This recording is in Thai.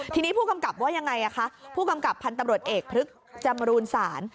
ทีนี้ผู้กำกับว่ายังไงคะผู้กำกับพันธุ์ตำรวจเอกพฤกษ์จำรูนศาล